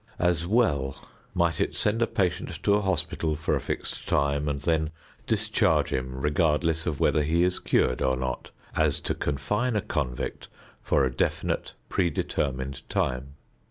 As well might it send a patient to a hospital for a fixed time and then discharge him, regardless of whether he is cured or not, as to confine a convict for a definite predetermined time.